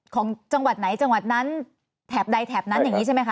ของจังหวัดไหนจังหวัดนั้นแถบใดแถบนั้นอย่างนี้ใช่ไหมค